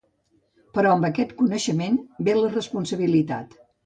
Però amb aquest coneixement ve la responsabilitat.